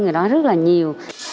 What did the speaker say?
người đó rất là nhiều